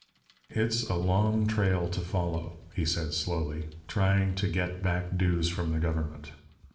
"It's a long trail to follow," he said, slowly, "trying to get back dues from the government.